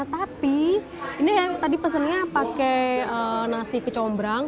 tapi ini yang tadi pesannya pakai nasi kecombrang